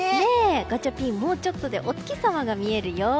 ガチャピン、もうちょっとでお月様が見えるよ。